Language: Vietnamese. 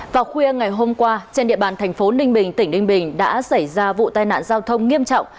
vào khuya ngày hôm qua trên địa bàn thành phố ninh bình tỉnh ninh bình đã xảy ra vụ tai nạn giao thông nghiêm trọng